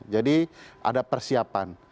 jadi ada persiapan